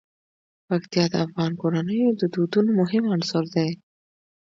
پکتیا د افغان کورنیو د دودونو مهم عنصر دی.